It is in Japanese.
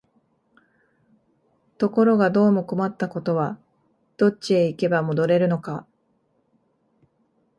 ところがどうも困ったことは、どっちへ行けば戻れるのか、